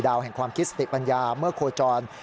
แห่งความคิดสติปัญญาเมื่อโคจร